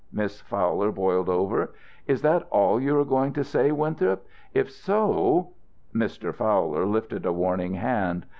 Miss Fowler boiled over. "Is that all you are going to say, Winthrop? If so " Mr. Fowler lifted a warning hand.